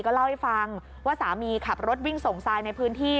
เล่าให้ฟังว่าสามีขับรถวิ่งส่งทรายในพื้นที่